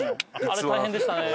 あれ大変でしたね。